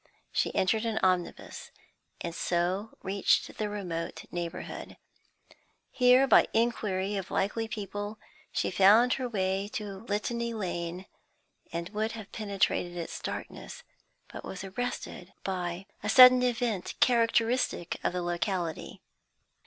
She entered an omnibus, and so reached the remote neighbourhood. Here, by inquiry of likely people, she found her way to Litany Lane, and would have penetrated its darkness, but was arrested by a sudden event characteristic of the locality.